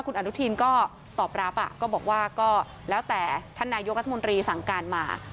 คุณอนุทินก็ตอบรับก็บอกว่าก็แล้วแต่ท่านนายกรัฐมนตรีสั่งการมา